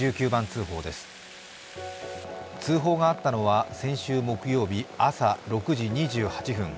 通報があったのは先週木曜日朝６時２８分。